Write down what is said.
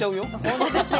本当ですね。